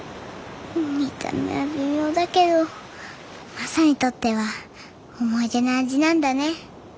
見た目は微妙だけどマサにとっては思い出の味なんだね。